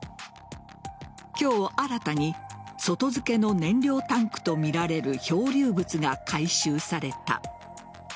今日、新たに外付けの燃料タンクとみられる漂流物が回収された。